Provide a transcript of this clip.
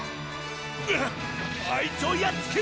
⁉ああいつをやっつけろ！